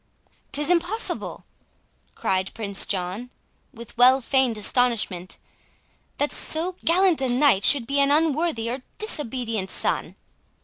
"'Tis impossible," cried Prince John, with well feigned astonishment, "that so gallant a knight should be an unworthy or disobedient son!"